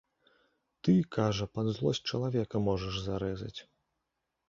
Ты, кажа, пад злосць чалавека можаш зарэзаць.